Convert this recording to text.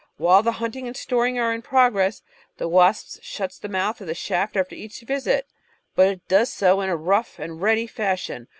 While the hunting and storing are in progress, the wasp shuts the mouth of the shaft after each visit, but does so in a rough and ready fashion.